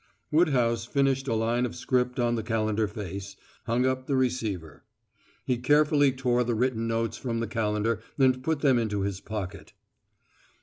Woodhouse finished a line of script on the calendar face, hung up the receiver. He carefully tore the written notes from the calendar and put them into his pocket.